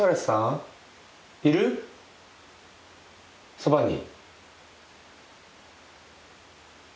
そばに。